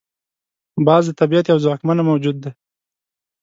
باز د طبیعت یو ځواکمنه موجود ده